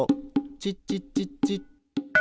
チッチッチッチッ。